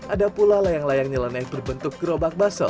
ada pula layang layang nyeleneng berbentuk gerobak baso